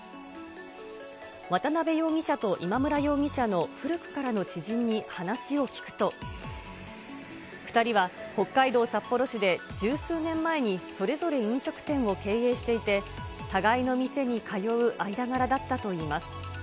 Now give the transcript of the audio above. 渡辺容疑者と今村容疑者の古くからの知人に話を聞くと、２人は北海道札幌市で十数年前にそれぞれ飲食店を経営していて、互いの店に通う間柄だったといいます。